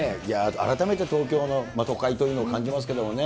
改めて東京の都会というのを感じますけれどもね。